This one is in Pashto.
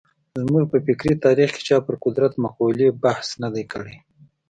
زموږ په فکري تاریخ کې چا پر قدرت مقولې بحث نه دی کړی.